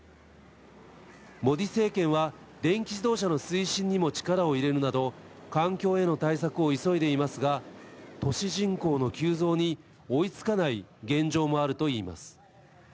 モディ政権は電気自動車の推進にも力を入れるなど、環境への対策を急いでいますが、都市人口の急増に追いつかない現状もあるといいます。